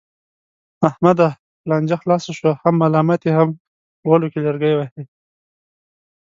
احمده! لانجه خلاصه شوه، هم ملامت یې هم غولو کې لرګی وهې.